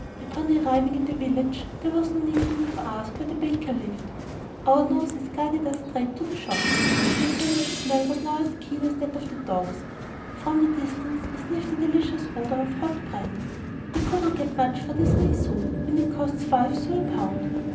Upon arriving in the village there was no need for me to ask where the baker lived; our noses guided us straight to the shop. My sense of smell was now as keen as that of my dogs. From the distance I sniffed the delicious odor of hot bread. We could not get much for three sous, when it costs five sous a pound.